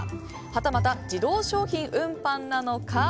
はたまた、自動商品運搬なのか。